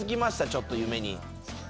ちょっと、夢に。